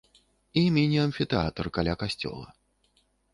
І міні-амфітэатр каля касцёла.